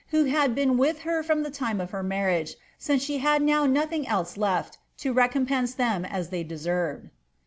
who had been with her from the time of her marriage, aince aha hJ DOW nothing else left to recompense them as they deaerved.''